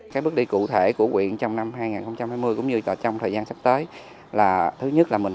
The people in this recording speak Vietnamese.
các bước đi cụ thể của quyện trong năm hai nghìn hai mươi cũng như trong thời gian sắp tới là thứ nhất là mình